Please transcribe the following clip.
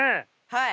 はい。